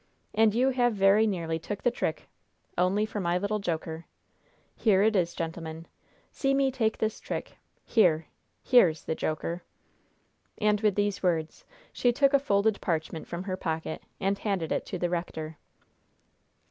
And you have very nearly took the trick, only for my little joker. Here it is, gentlemen! See me take this trick! Here! Here's the joker!" And, with these words, she took a folded parchment from her pocket, and handed it to the rector.